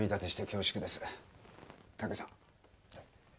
はい。